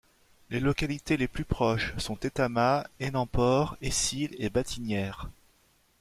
Les localités les plus proches sont Etama, Enampore, Essyl et Batinière.